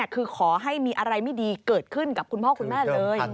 คือขอให้มีอะไรไม่ดีเกิดขึ้นกับคุณพ่อคุณแม่เลย